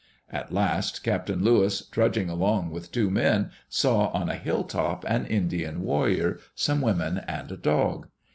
At last Captain Lewis, trudging along with two men, saw on a hilltop an Indian warrior, some women, and a dog.